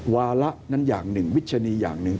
วาระนั้นอย่างหนึ่งวิชนีอย่างหนึ่ง